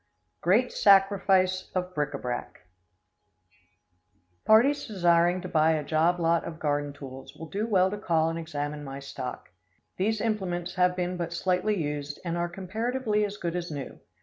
Great Sacrifice of Bric a brac. Parties desiring to buy a job lot of garden tools, will do well to call and examine my stock. These implements have been but slightly used, and are comparatively as good as new.